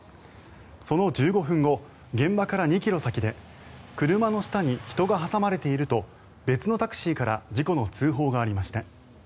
その１５分後現場から２ｋｍ先で車の下に人が挟まれていると別のタクシーから事故の通報がありました。